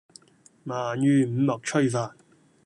鰻魚五目炊飯